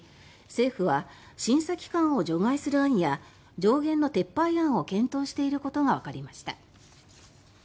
政府は審査期間を除外する案や上限の撤廃案を検討していることが分かりました。